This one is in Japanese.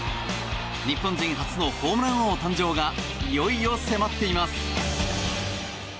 日本人初のホームラン王誕生がいよいよ迫っています。